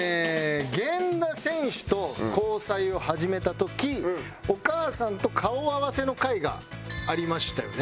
源田選手と交際を始めた時お母さんと顔合わせの会がありましたよね？